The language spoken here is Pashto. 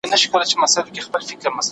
ژوند د یوې لنډې کیسې په څېر په ختمېدو دی.